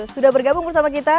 sudah bergabung bersama kita